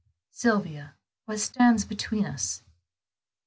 "Sylvia, what stands between us?"